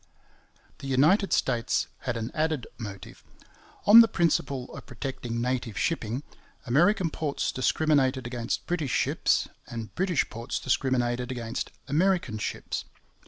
The United States had an added motive. On the principle of protecting native shipping, American ports discriminated against British ships, and British ports discriminated against American ships.